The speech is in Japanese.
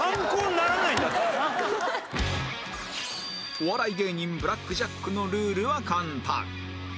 お笑い芸人ブラックジャックのルールは簡単